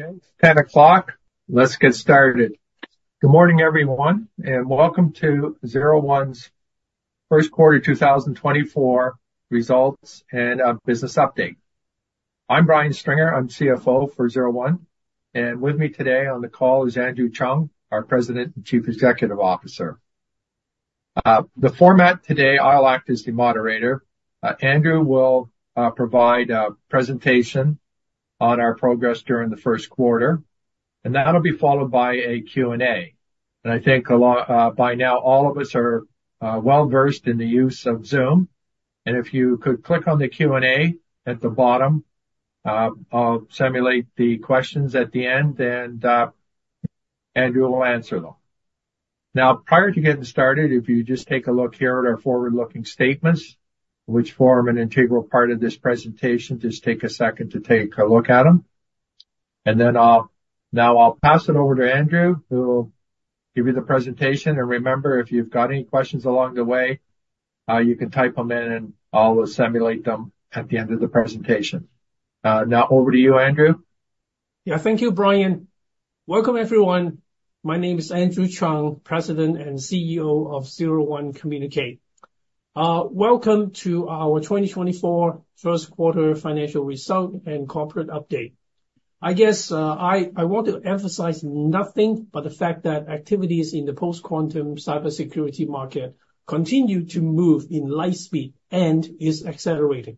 Okay, 10 o'clock, let's get started. Good morning, everyone, and welcome to 01's Q1 2024 Results and a Business Update. I'm Brian Stringer, I'm CFO for 01, and with me today on the call is Andrew Cheung, our President and Chief Executive Officer. The format today I'll act as the moderator. Andrew will provide a presentation on our progress during the Q1, and that'll be followed by a Q&A. I think by now all of us are well-versed in the use of Zoom, and if you could click on the Q&A at the bottom, I'll simulate the questions at the end and Andrew will answer them. Now, prior to getting started, if you just take a look here at our forward-looking statements, which form an integral part of this presentation, just take a second to take a look at them. I'll pass it over to Andrew, who will give you the presentation, and remember, if you've got any questions along the way, you can type them in and I'll simulate them at the end of the presentation. Now over to you, Andrew. Yeah, thank you, Brian. Welcome, everyone. My name is Andrew Cheung, President and CEO of 01 Communique. Welcome to our 2024 Q1 financial Result and Corporate Update. I guess, I want to emphasize nothing but the fact that activities in the post-quantum cybersecurity market continue to move in light speed and is accelerating.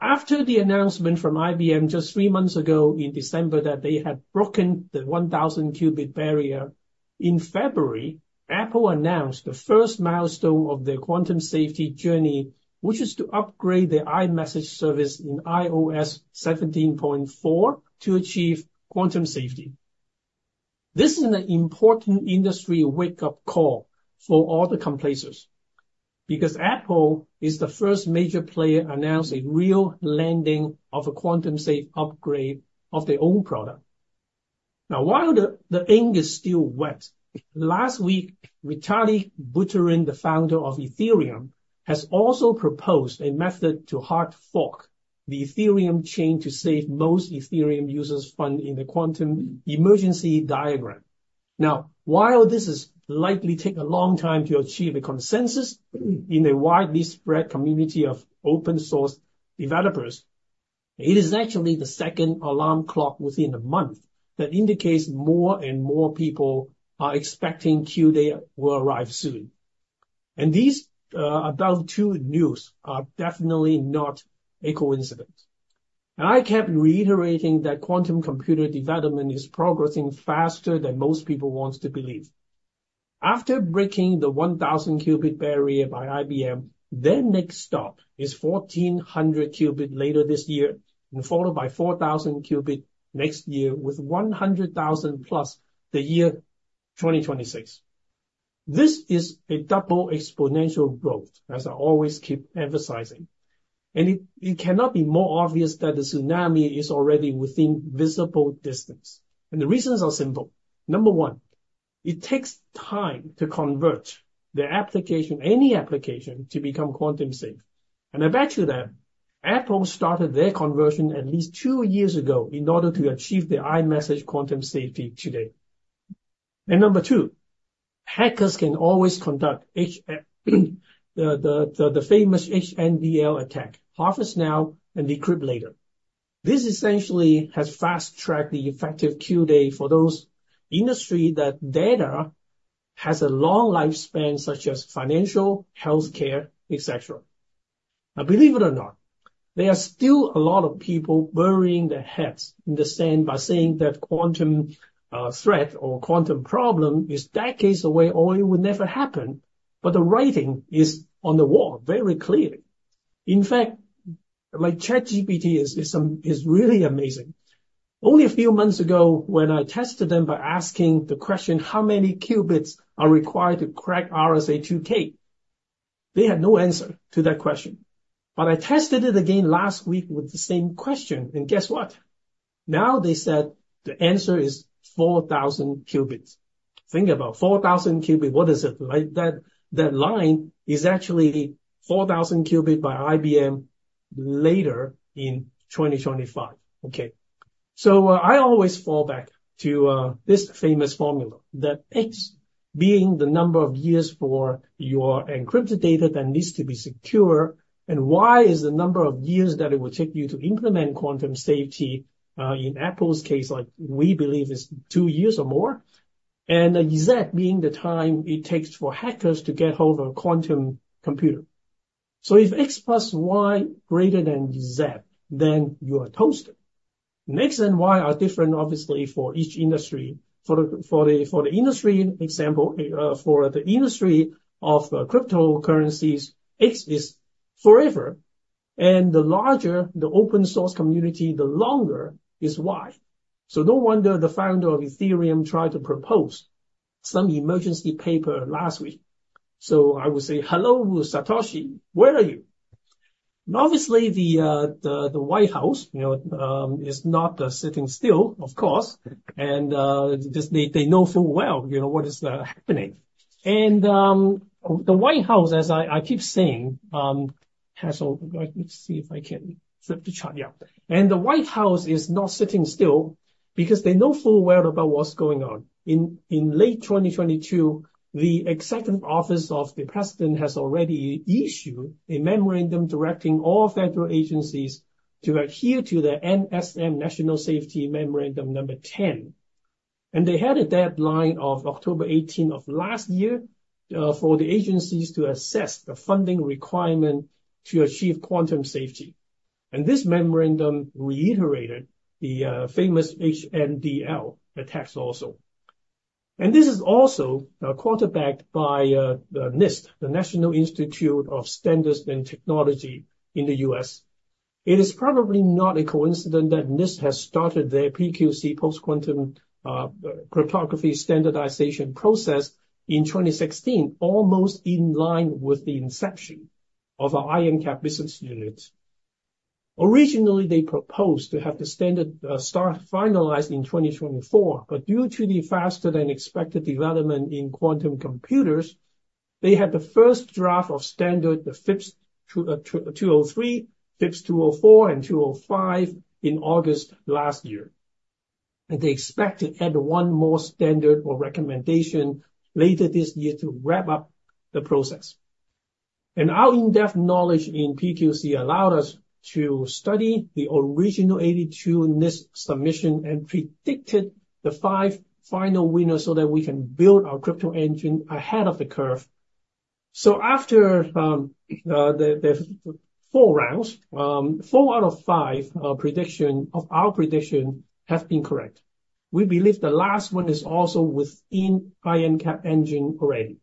After the announcement from IBM just three months ago in December that they had broken the 1,000-qubit barrier, in February, Apple announced the first milestone of their quantum safety journey, which is to upgrade their iMessage service in iOS 17.4 to achieve quantum safety. This is an important industry wake-up call for all the complacent, because Apple is the first major player to announce a real landing of a quantum-safe upgrade of their own product. Now, while the ink is still wet, last week Vitalik Buterin, the founder of Ethereum, has also proposed a method to hard fork the Ethereum chain to save most Ethereum users' fund in the quantum emergency diagram. Now, while this is likely to take a long time to achieve a consensus in the widely spread community of open-source developers, it is actually the second alarm clock within a month that indicates more and more people are expecting Q-Day will arrive soon. These above-two news are definitely not a coincidence. I kept reiterating that quantum computer development is progressing faster than most people want to believe. After breaking the 1,000-qubit barrier by IBM, their next stop is 1,400-qubit later this year, and followed by 4,000-qubit next year, with 100,000+ the year 2026. This is a double-exponential growth, as I always keep emphasizing. It cannot be more obvious that the tsunami is already within visible distance. The reasons are simple. Number one, it takes time to convert their application, any application, to become quantum-safe. And I bet you that Apple started their conversion at least two years ago in order to achieve their iMessage quantum safety today. And number two, hackers can always conduct the famous HNDL attack, harvest now and decrypt later. This essentially has fast-tracked the effective Q-Day for those industries that data has a long lifespan, such as financial, healthcare, etc. Now, believe it or not, there are still a lot of people burying their heads in the sand by saying that quantum threat or quantum problem is decades away or it will never happen, but the writing is on the wall very clearly. In fact, like, ChatGPT is really amazing. Only a few months ago, when I tested them by asking the question, "How many qubits are required to crack RSA-2K?" they had no answer to that question. But I tested it again last week with the same question, and guess what? Now they said the answer is 4,000 qubits. Think about it, 4,000 qubits, what is it? Like, that line is actually 4,000 qubits by IBM later in 2025, okay? So, I always fall back to, this famous formula, that X being the number of years for your encrypted data that needs to be secure, and Y is the number of years that it will take you to implement quantum safety, in Apple's case, like, we believe it's two years or more, and Z being the time it takes for hackers to get hold of a quantum computer. So if X plus Y greater than Z, then you are toasted. X and Y are different, obviously, for each industry. For the industry, for example, for the industry of cryptocurrencies, X is forever, and the larger the open-source community, the longer is Y. So no wonder the founder of Ethereum tried to propose some emergency paper last week. So I would say, "Hello, Satoshi, where are you?" And obviously the White House, you know, is not sitting still, of course, and just they know full well, you know, what is happening. And the White House, as I keep saying, has - oh, let's see if I can flip the chart. Yeah. And the White House is not sitting still because they know full well about what's going on. In late 2022, the Executive Office of the President has already issued a memorandum directing all federal agencies to adhere to the NSM, National Security Memorandum number 10. They had a deadline of October 18th of last year, for the agencies to assess the funding requirement to achieve quantum safety. This memorandum reiterated the famous HNDL attack also. This is also quarterbacked by the NIST, the National Institute of Standards and Technology in the U.S. It is probably not a coincidence that NIST has started their PQC, post-quantum cryptography standardization process in 2016, almost in line with the inception of our IronCAP business unit. Originally, they proposed to have the standard start finalized in 2024, but due to the faster-than-expected development in quantum computers, they had the first draft of standard, the FIPS 203, FIPS 204, and 205 in August last year. They expected to add one more standard or recommendation later this year to wrap up the process. And our in-depth knowledge in PQC allowed us to study the original 82 NIST submissions and predicted the five final winners so that we can build our crypto engine ahead of the curve. So after the four rounds, four out of five predictions of our predictions have been correct. We believe the last one is also within the IronCAP engine already.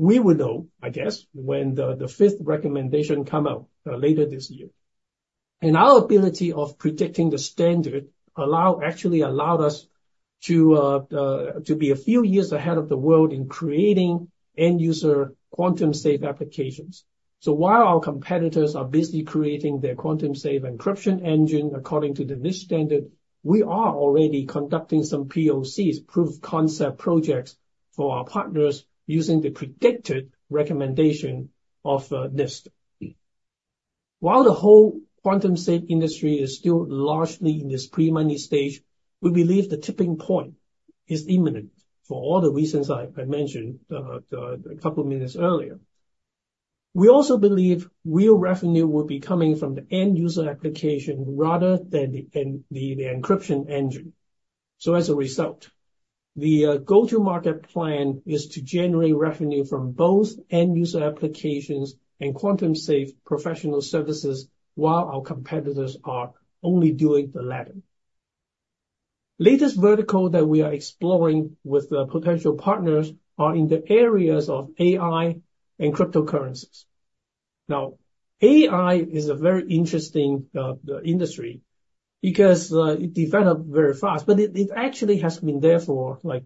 We will know, I guess, when the fifth recommendation comes out, later this year. And our ability of predicting the standard allowed - actually allowed us to be a few years ahead of the world in creating end-user quantum-safe applications. So while our competitors are busy creating their quantum-safe encryption engine according to the NIST standard, we are already conducting some POCs, proof-of-concept projects, for our partners using the predicted recommendation of, NIST. While the whole quantum-safe industry is still largely in this pre-money stage, we believe the tipping point is imminent for all the reasons I mentioned, a couple of minutes earlier. We also believe real revenue will be coming from the end-user application rather than the end-the encryption engine. So as a result, the go-to-market plan is to generate revenue from both end-user applications and quantum-safe professional services while our competitors are only doing the latter. Latest verticals that we are exploring with potential partners are in the areas of AI and cryptocurrencies. Now, AI is a very interesting industry because it developed very fast, but it actually has been there for, like,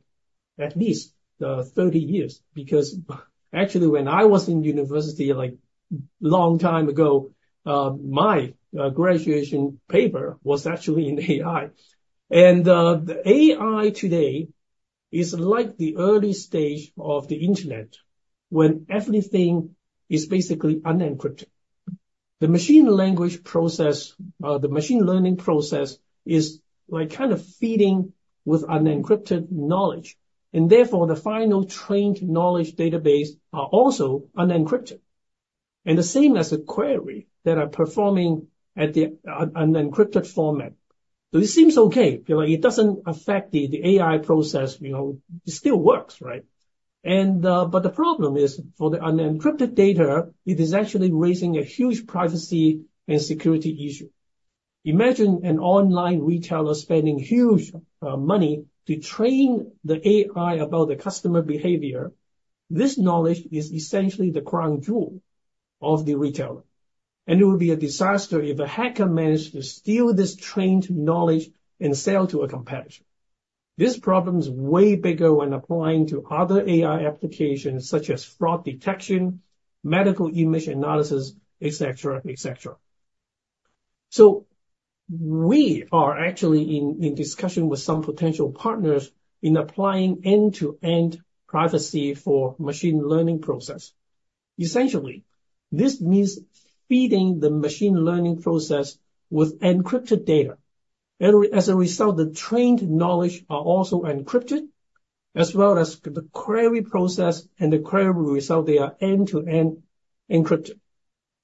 at least, 30 years, because actually when I was in university, like, a long time ago, my graduation paper was actually in AI. The AI today is like the early stage of the Internet when everything is basically unencrypted. The machine language process, the machine learning process is, like, kind of feeding with unencrypted knowledge, and therefore the final trained knowledge database are also unencrypted. The same as a query that I'm performing at the unencrypted format. So it seems okay, you know, it doesn't affect the AI process, you know, it still works, right? But the problem is, for the unencrypted data, it is actually raising a huge privacy and security issue. Imagine an online retailer spending huge money to train the AI about the customer behavior. This knowledge is essentially the crown jewel of the retailer. It would be a disaster if a hacker managed to steal this trained knowledge and sell it to a competitor. This problem is way bigger when applying to other AI applications, such as fraud detection, medical image analysis, etc, etc. So we are actually in discussion with some potential partners in applying end-to-end privacy for machine learning processes. Essentially, this means feeding the machine learning process with encrypted data. As a result, the trained knowledge is also encrypted, as well as the query process and the query result, they are end-to-end encrypted.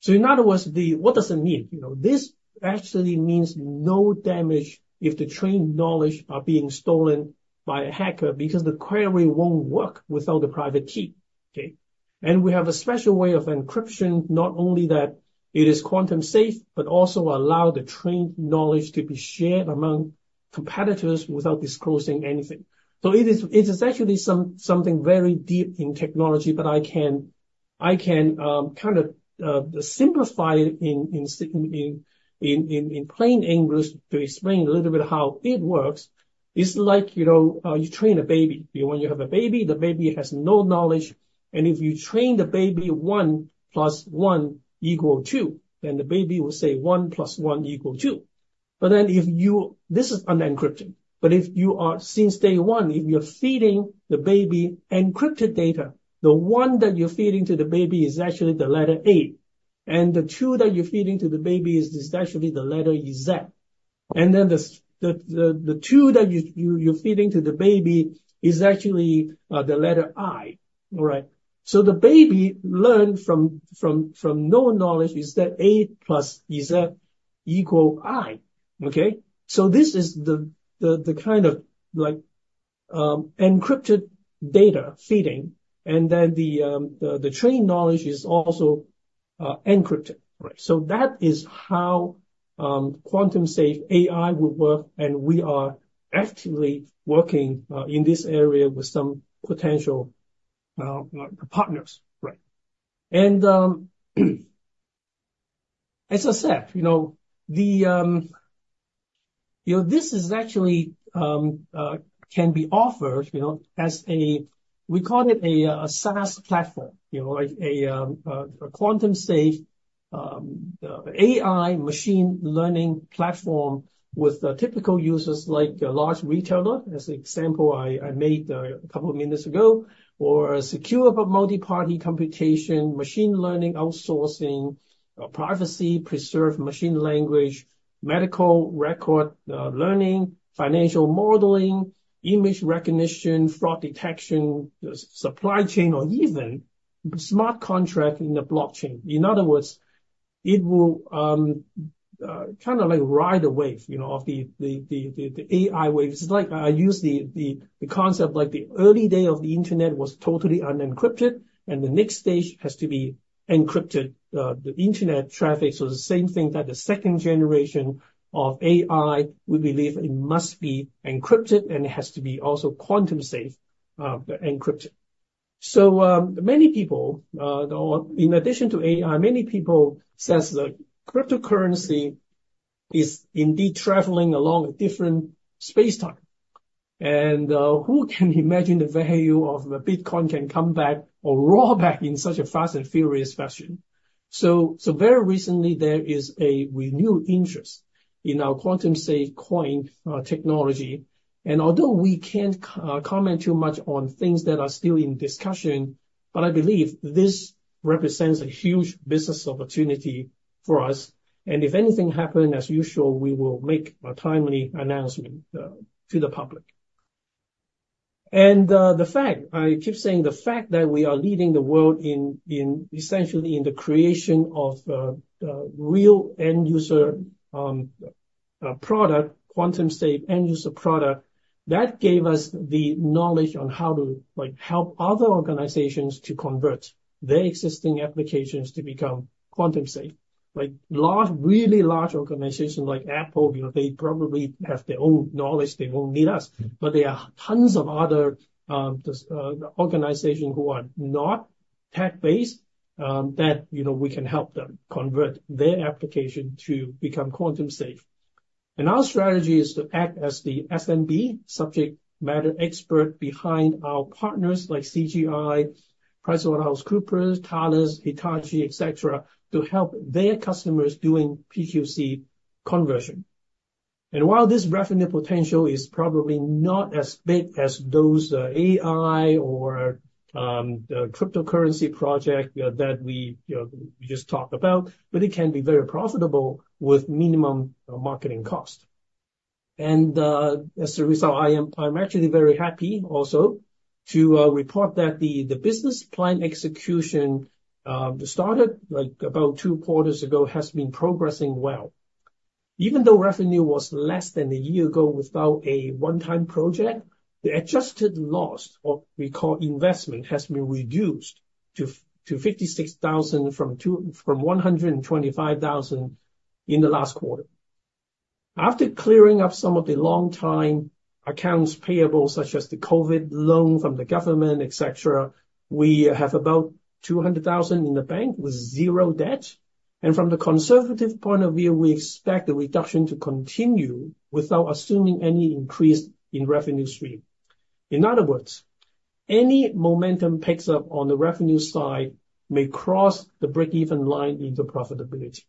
So in other words, what does it mean? You know, this actually means no damage if the trained knowledge is being stolen by a hacker because the query won't work without the private key, okay? And we have a special way of encryption, not only that it is quantum-safe, but also allows the trained knowledge to be shared among competitors without disclosing anything. So it is actually something very deep in technology, but I can kind of simplify it in plain English to explain a little bit how it works. It's like, you know, you train a baby. You know, when you have a baby, the baby has no knowledge, and if you train the baby 1 +1 =2, then the baby will say 1+1=2. But then if you - this is unencrypted - but if you are since day one, if you're feeding the baby encrypted data, the 1 that you're feeding to the baby is actually the letter A, and the 2 that you're feeding to the baby is actually the letter Z, and then the 2 that you're feeding to the baby is actually the letter I, all right? So the baby learns from no knowledge, is that A plus Z equals I, okay? So this is the kind of, like, encrypted data feeding, and then the trained knowledge is also encrypted, right? So that is how quantum-safe AI will work, and we are actively working in this area with some potential partners, right? As I said, you know, this is actually can be offered, you know, as a - we call it a SaaS platform, you know, like a quantum-safe AI machine learning platform with typical users like a large retailer, as an example I made a couple of minutes ago, or secure multi-party computation, machine learning outsourcing, privacy-preserved machine language, medical record learning, financial modeling, image recognition, fraud detection, supply chain, or even smart contract in the blockchain. In other words, it will kind of like ride the wave, you know, of the AI wave. It's like I use the concept like the early day of the Internet was totally unencrypted, and the next stage has to be encrypted, the Internet traffic. So the same thing that the second generation of AI, we believe, it must be encrypted, and it has to be also quantum-safe, encrypted. So, many people, or in addition to AI, many people say the cryptocurrency is indeed traveling along a different space-time. And, who can imagine the value of a Bitcoin can come back or roar back in such a fast and furious fashion? So very recently, there is a renewed interest in our quantum-safe coin, technology. And although we can't comment too much on things that are still in discussion, but I believe this represents a huge business opportunity for us. And if anything happens, as usual, we will make a timely announcement to the public. And the fact I keep saying, the fact that we are leading the world in essentially in the creation of real end-user product, quantum-safe end-user product, that gave us the knowledge on how to, like, help other organizations to convert their existing applications to become quantum-safe. Like large, really large organizations like Apple, you know, they probably have their own knowledge. They won't need us, but there are tons of other organizations who are not tech-based, that, you know, we can help them convert their application to become quantum-safe. And our strategy is to act as the SME subject matter expert behind our partners like CGI, PricewaterhouseCoopers, Thales, Hitachi, etc., to help their customers doing PQC conversion. And while this revenue potential is probably not as big as those AI or the cryptocurrency project, you know, that we, you know, we just talked about, but it can be very profitable with minimum marketing cost. And, as a result, I am, I'm actually very happy also to report that the business plan execution, started, like, about two quarters ago, has been progressing well. Even though revenue was less than a year ago without a one-time project, the adjusted loss, or we call investment, has been reduced to 56,000 from 125,000 in the last quarter. After clearing up some of the long-time accounts payable, such as the COVID loan from the government, etc., we have about 200,000 in the bank with zero debt. From the conservative point of view, we expect the reduction to continue without assuming any increase in revenue stream. In other words, any momentum picks up on the revenue side may cross the break-even line into profitability.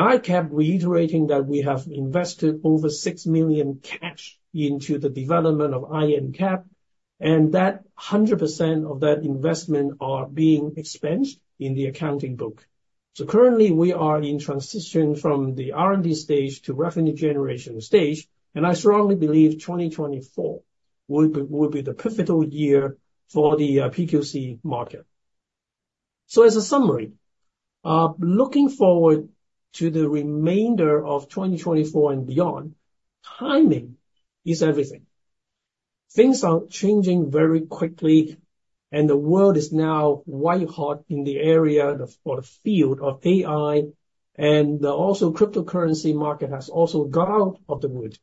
I kept reiterating that we have invested over 6 million cash into the development of IronCAP, and that 100% of that investment is bgeing expensed in the accounting book. So currently, we are in transition from the R&D stage to revenue generation stage, and I strongly believe 2024 will be, will be the pivotal year for the PQC market. So as a summary, looking forward to the remainder of 2024 and beyond, timing is everything. Things are changing very quickly, and the world is now white-hot in the area of, or the field of AI, and the also cryptocurrency market has also got out of the woods.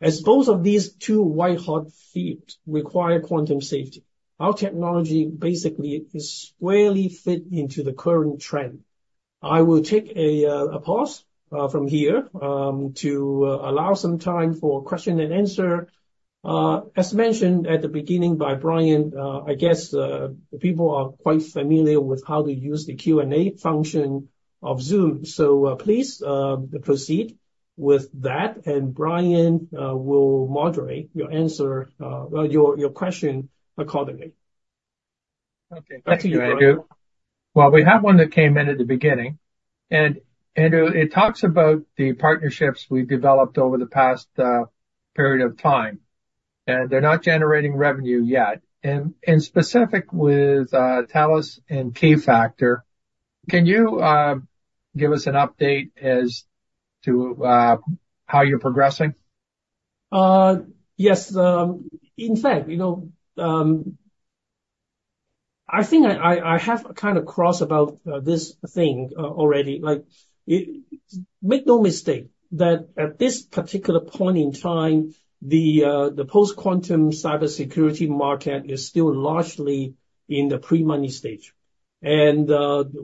As both of these two white-hot fields require quantum safety, our technology basically is squarely fit into the current trend. I will take a pause from here to allow some time for question and answer. As mentioned at the beginning by Brian, I guess the people are quite familiar with how to use the Q&A function of Zoom, so please proceed with that, and Brian will moderate your answer, well, your, your question accordingly. Okay. Thank you, Andrew. Well, we have one that came in at the beginning, and, Andrew, it talks about the partnerships we've developed over the past period of time, and they're not generating revenue yet. And specific with Thales and Keyfactor, can you give us an update as to how you're progressing? Yes. In fact, you know, I have kind of crossed about this thing already. Like, make no mistake that at this particular point in time, the post-quantum cybersecurity market is still largely in the pre-money stage. And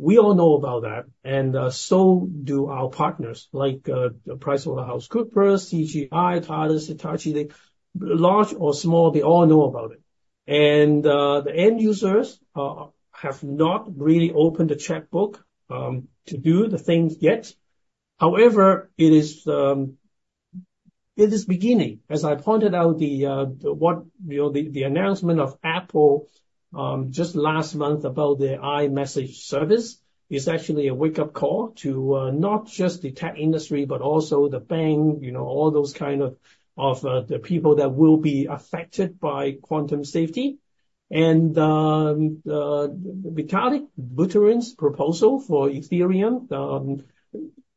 we all know about that, and so do our partners like PricewaterhouseCoopers, CGI, Thales, Hitachi. They large or small, they all know about it. And the end users have not really opened the checkbook to do the things yet. However, it is beginning. As I pointed out, what you know, the announcement of Apple just last month about their iMessage service is actually a wake-up call to not just the tech industry but also the bank, you know, all those kind of, of the people that will be affected by quantum safety. Vitalik Buterin's proposal for Ethereum,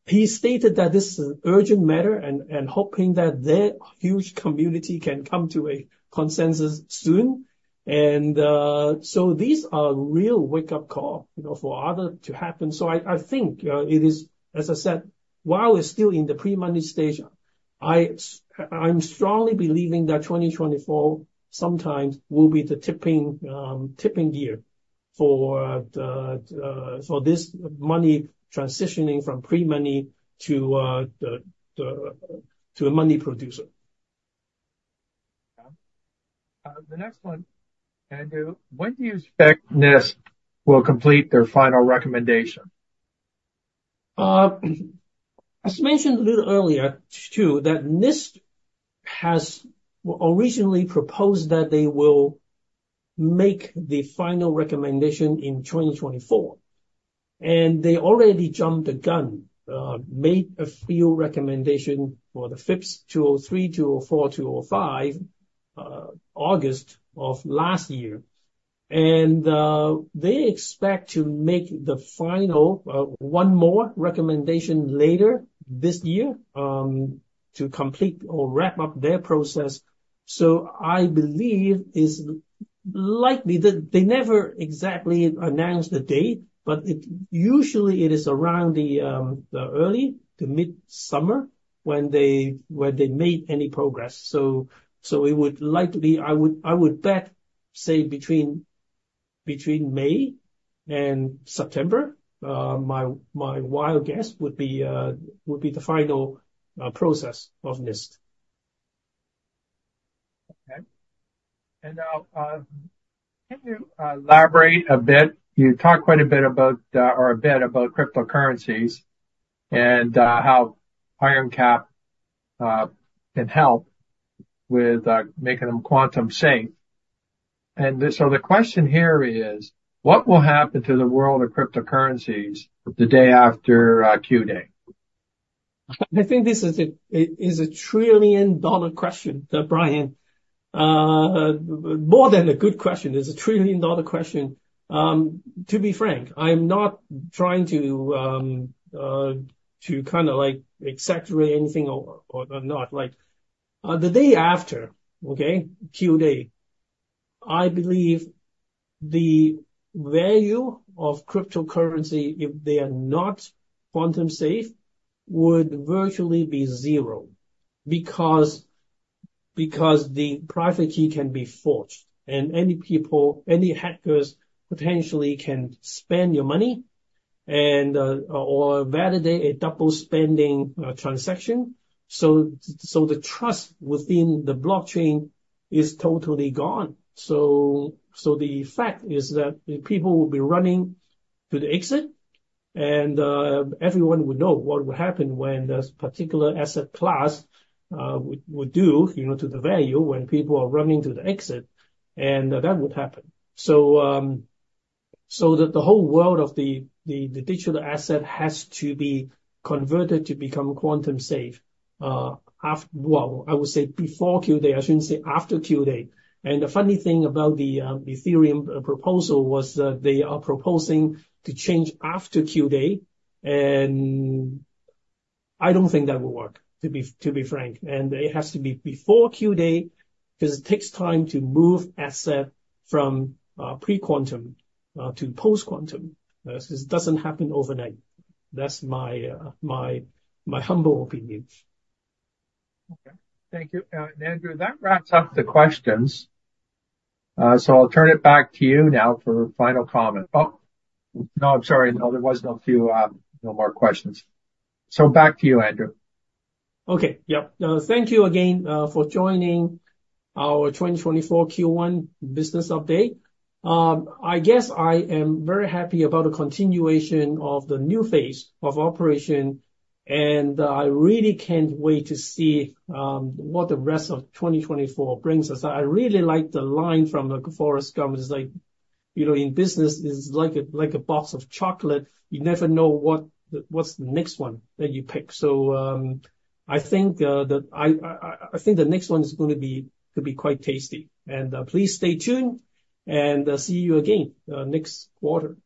he stated that this is an urgent matter and hoping that their huge community can come to a consensus soon. So these are real wake-up calls, you know, for other to happen. I think it is, as I said, while we're still in the pre-money stage, I'm strongly believing that 2024 sometimes will be the tipping gear for this money transitioning from pre-money to the to a money producer. Okay. The next one, Andrew, when do you expect NIST will complete their final recommendation? As mentioned a little earlier, too, that NIST has originally proposed that they will make the final recommendation in 2024, and they already jumped the gun, made a few recommendations for the FIPS 203, 204, 205, August of last year. And they expect to make the final, one more recommendation later this year, to complete or wrap up their process. So I believe it's likely that they never exactly announced the date, but it usually is around the early to mid-summer when they made any progress. So it would likely be. I would bet, say, between May and September, my wild guess would be the final process of NIST. Okay. And now, can you elaborate a bit? You talk quite a bit about, or a bit about cryptocurrencies and how IronCAP can help with making them quantum-safe. And so the question here is, what will happen to the world of cryptocurrencies the day after Q-Day? I think this is - it is a trillion-dollar question, Brian. More than a good question. It's a trillion-dollar question. To be frank, I'm not trying to, to kind of, like, exaggerate anything or, or not. Like, the day after, okay, Q-Day, I believe the value of cryptocurrency, if they are not quantum-safe, would virtually be zero because, because the private key can be forged, and any people, any hackers potentially can spend your money and, or validate a double-spending transaction. So, so the fact is that people will be running to the exit, and everyone would know what would happen when this particular asset class would, would do, you know, to the value when people are running to the exit, and that would happen. So the whole world of the digital asset has to be converted to become quantum-safe, after, well, I would say before Q-Day. I shouldn't say after Q-Day. And the funny thing about the Ethereum proposal was that they are proposing to change after Q-Day, and I don't think that will work, to be frank. And it has to be before Q-Day because it takes time to move assets from pre-quantum to post-quantum. This doesn't happen overnight. That's my humble opinion. Okay. Thank you. And, Andrew, that wraps up the questions. So I'll turn it back to you now for final comments. Oh, no, I'm sorry. No, there were no more questions. So back to you, Andrew. Okay. Yep. Thank you again for joining our 2024 Q1 business update. I guess I am very happy about the continuation of the new phase of operation, and I really can't wait to see what the rest of 2024 brings us. I really like the line from Forrest Gump. It's like, you know, in business, it's like a box of chocolate. You never know what the next one that you pick is. So, I think that the next one is going to be quite tasty. And please stay tuned, and see you again next quarter.